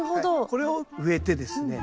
これを植えてですね